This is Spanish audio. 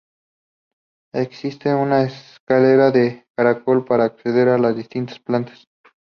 Existe una escalera de caracol para acceder a las distintas plantas.